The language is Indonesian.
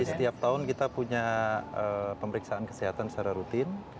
jadi setiap tahun kita punya pemeriksaan kesehatan secara rutin